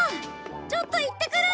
ちょっと行ってくる！